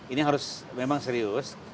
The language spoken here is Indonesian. ini harus memang serius